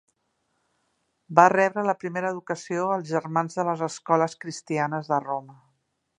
Va rebre la primera educació als germans de les Escoles Cristianes de Roma.